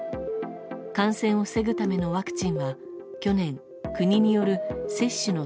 感染を防ぐためのワクチンは去年、国による接種の